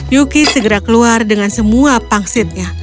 yuki segera keluar dengan semua pangsitnya